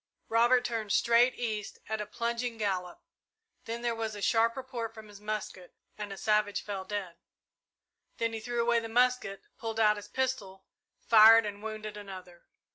Robert turned straight east at a plunging gallop, then there was a sharp report from his musket and a savage fell dead. Then he threw away the musket, pulled out his pistol, fired and wounded another.